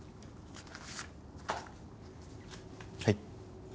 はい。